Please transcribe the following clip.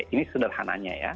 ini sederhananya ya